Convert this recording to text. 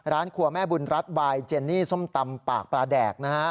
ร้านครัวแม่บุณรัฐใบเจนี่สมตำปลากปลาแดก